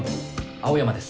青山です。